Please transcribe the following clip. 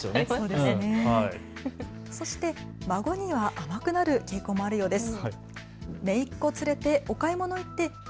そして孫には甘くなる傾向もあるようです。